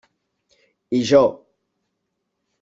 I jo.